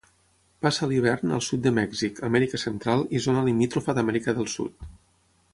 Passa l'hivern al sud de Mèxic, Amèrica Central i zona limítrofa d'Amèrica del Sud.